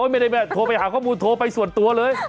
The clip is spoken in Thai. ไม่ได้โทรไปหาข้อมูลโทรไปส่วนตัวเลย